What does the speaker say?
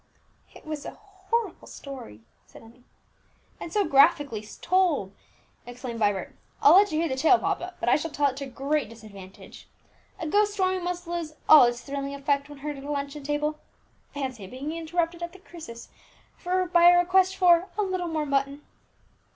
"It was a horrible story," said Emmie. "And so graphically told!" exclaimed Vibert. "I'll let you hear the tale, papa; but I shall tell it to great disadvantage. A ghost story must lose all its thrilling effect when heard at a luncheon table. Fancy being interrupted at the crisis by a request for 'a little more mutton!'"